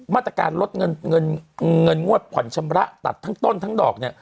มาตรการลดเงินเงินงวดผ่อนชำระตัดทั้งต้นทั้งดอกเนี่ย